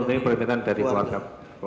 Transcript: memenuhi permintaan dari keluarga pasien